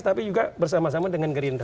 tapi juga bersama sama dengan gerindra